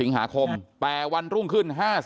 พี่สาวของเธอบอกว่ามันเกิดอะไรขึ้นกับพี่สาวของเธอ